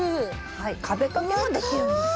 はい壁掛けもできるんです。